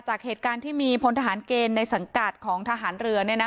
จากเหตุการณ์ที่มีพลทหารเกณฑ์ในสังกัดของทหารเรือ